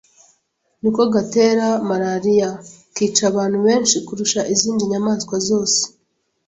niko gatera Malaria.Kica abantu benshi kurusha izindi nyamaswa zose.